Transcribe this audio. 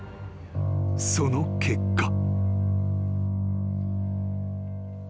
［その結果］